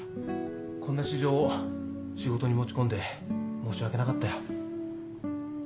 こんな私情を仕事に持ち込んで申し訳なかったよ。